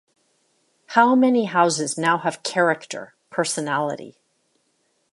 How many houses now have character, personality?